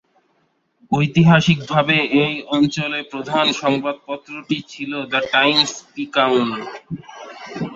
ঐতিহাসিকভাবে এই অঞ্চলের প্রধান সংবাদপত্রটি ছিল "দ্য টাইমস-পিকায়ুন"।